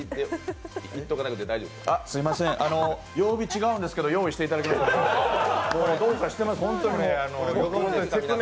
すみません、曜日違うんですけど、用意していただきました。